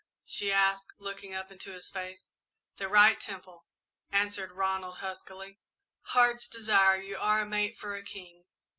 she asked, looking up into his face. "The right temple," answered Ronald, huskily. "Heart's Desire, you are a mate for a king!"